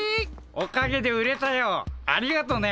おかげで売れたよ。ありがとね。